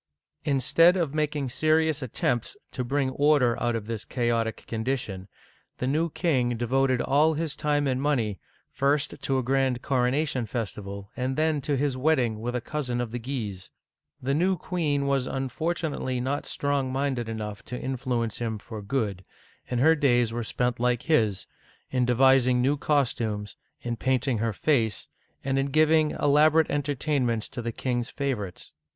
Instead of making serious attempts to bring order out of this chaotic condition, the new king devoted all his time and money, first to a grand coronation festival, and then to his wedding with a cousin of the Guises. The new queen was unfortunately not strong minded enough to in fluence him for good, and her days were spent like his, in devising new costumes, in painting her face, and in giving elaborate entertainments to the king's favorites.